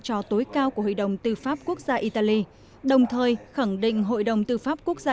cho tối cao của hội đồng tư pháp quốc gia italy đồng thời khẳng định hội đồng tư pháp quốc gia